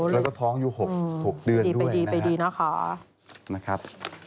แล้วก็ท้องอยู่๖เดือนด้วยนะครับ